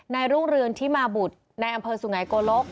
นายรุ่งรืนที่มาบุตรในอำเภอสูงไหนโกลก